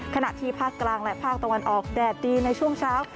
ขณะที่ภาคกลางและภาคตะวันออกแดดดีในช่วงเช้า